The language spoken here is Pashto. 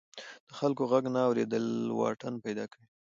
د خلکو غږ نه اوریدل واټن پیدا کوي.